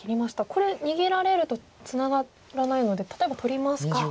これ逃げられるとツナがらないので例えば取りますか。